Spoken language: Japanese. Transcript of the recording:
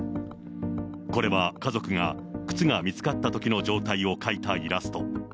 これは家族が、靴が見つかったときの状態を描いたイラスト。